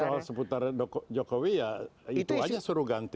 soal seputar jokowi ya itu aja suruh ganti